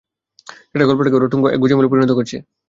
সেই গল্পটাকে ওরা ঠুনকো এক গোঁজামিলে পরিণত করেছে।